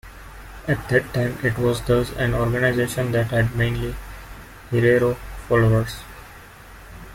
At that time it was thus an organisation that had mainly Herero followers.